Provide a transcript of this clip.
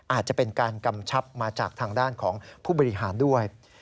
อาจจะเป็นการกำชับมาจากทางด้านของผู้บริหารด้วย